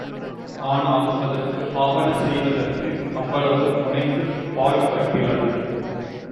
ஆனால், அதற்கு ஆவன செய்வதற்கு அவ்வளவு முனைந்து பாடுபட்டிலது.